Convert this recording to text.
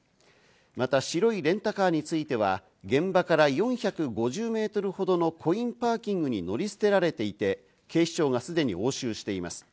また白いレンタカーについては、現場から４５０メートルほどのコインパーキングに乗り捨てられていて、警視庁がすでに押収しています。